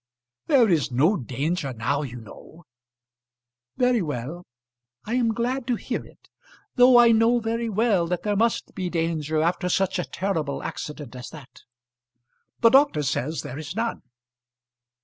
"There is no danger now, you know." "Very well; I am glad to hear it. Though I know very well that there must be danger after such a terrible accident as that." "The doctor says there is none."